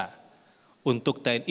untuk membuat keamanan keamanan